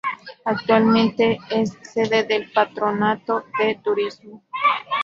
Actualmente es sede del Patronato de Turismo.